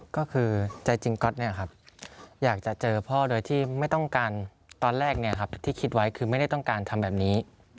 ก็คือใจจริงก๊อตอยากจะเจอพ่อโดยที่ไม่ต้องการตอนแรกที่คิดไว้คือไม่ได้ต้องการทำแบบนี้